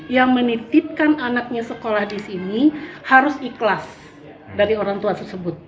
yang menitipkan anaknya sekolah di sini harus ikhlas dari orang tua tersebut